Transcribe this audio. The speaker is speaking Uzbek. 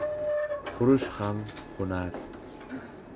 • Hurish ham hunar.